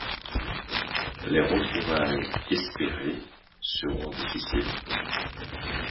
Les retrouvailles espérées seront difficiles.